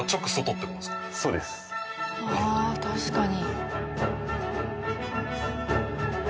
ああ確かに。